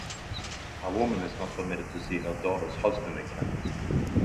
A woman is not permitted to see her daughter's husband in camp.